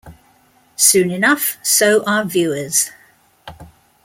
Soon enough, so are viewers.